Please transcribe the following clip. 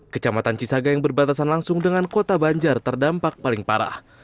kecamatan cisaga yang berbatasan langsung dengan kota banjar terdampak paling parah